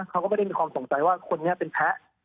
เขาก็ไม่ได้มีความสงสัยว่าคนนี้เป็นแพ้